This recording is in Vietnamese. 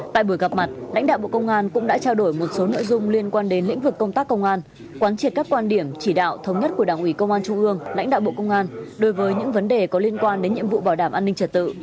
tại buổi gặp mặt lãnh đạo bộ công an cũng đã trao đổi một số nội dung liên quan đến lĩnh vực công tác công an quán triệt các quan điểm chỉ đạo thống nhất của đảng ủy công an trung ương lãnh đạo bộ công an đối với những vấn đề có liên quan đến nhiệm vụ bảo đảm an ninh trật tự